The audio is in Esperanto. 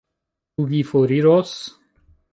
Ĉu vi foriros?